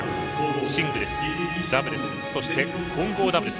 シングルス、ダブルスそして混合ダブルス。